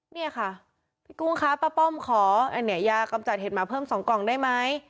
เนี่ยค่ะพี่กุ้งคะป้าป้อมขออันนี้ยากำจัดเห็ดหมาเพิ่ม๒กล่องได้ไหม